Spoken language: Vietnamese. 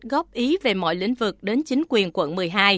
góp ý về mọi lĩnh vực đến chính quyền quận một mươi hai